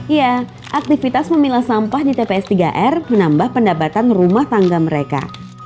iya aktivitas memilah sampah di tps tiga r menambah pendapatan rumah tangga mereka